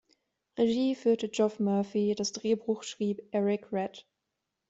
Regie führte Geoff Murphy, das Drehbuch schrieb Eric Red.